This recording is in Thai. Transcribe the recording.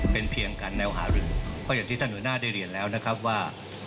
เป็นเพียงการแนวหารึอย่างที่ท่านหนุน่าได้เรียนแล้วนะครับว่า